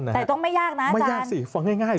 แต่ต้องไม่ยากนะอาจารย์ไม่ยากสิฟังง่ายเลย